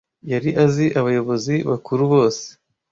Yari azi abayobozi bakuru bose.